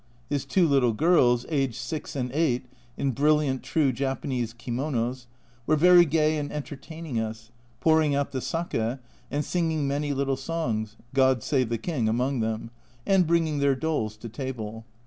His two little girls aged six and eight, in brilliant true Japanese kimonos were very gay in entertaining us, pouring out the sake and singing many little songs ("God save the King "among them), and bringing their dolls to table.